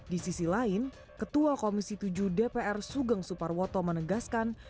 di sisi lain ketua komisi tujuh dpr sugeng suparwoto menegaskan